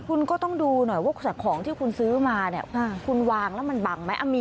คุณก็ต้องดูหน่อยว่าของที่คุณซื้อมาเนี่ยคุณวางแล้วมันบังไหม